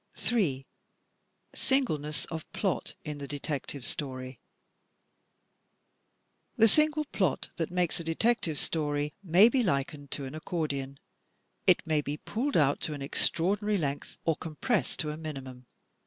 3. Singleness of Plot in the Detective Story The single plot that makes a Detective Story may be likened to an accordeon; it may be pulled out to an extra ordinary length, or compressed to a minimum.